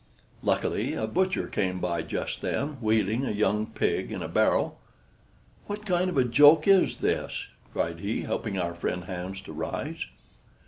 Luckily a butcher came by just then, wheeling a young pig in a barrow. "What kind of joke is this?" cried he, helping our friend Hans to rise.